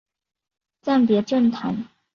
暂别政坛。